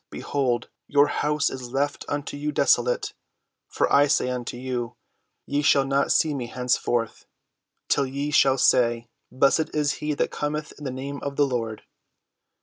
Behold, your house is left unto you desolate. For I say unto you, Ye shall not see me henceforth, till ye shall say, Blessed is he that cometh in the name of the Lord."